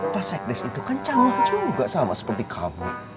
pak segdes itu kan camah juga sama seperti kamu